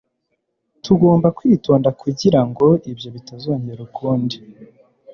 tugomba kwitonda kugirango ibyo bitazongera ukundi